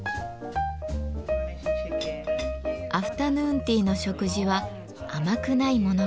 アフタヌーンティーの食事は甘くないものから。